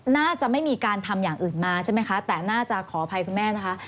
น่าจะไม่มีการทำอย่างอื่นมาใช่ไหมคะแต่น่าจะขออภัยคุณแม่นะคะ